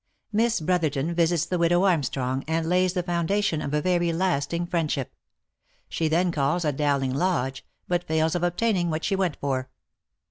MISS BROTHERTON VISITS THE WIDOW ARMSTRONG, AND LAYS THE FOUNDATION OF A VERY LASTING FRIENDSHIP — SHE THEN CALLS AT DOWLING LODGE, BUT FAILS OF OBTAINING WHAT SHE WENT FOR.